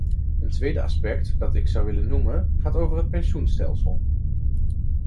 Een tweede aspect dat ik zou willen noemen, gaat over het pensioenstelsel.